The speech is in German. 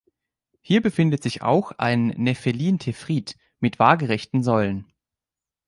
Hier befindet sich auch ein Nephelin-Tephrit mit waagerechten Säulen.